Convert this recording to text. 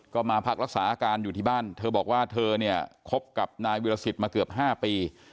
ก็มาพักรักษาอาการอยู่ที่บ้านเธอบอกว่าเธอเนี่ยคบกับนายวิรสิตมาเกือบ๕ปี